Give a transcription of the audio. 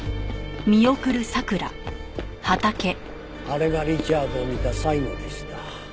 あれがリチャードを見た最後でした。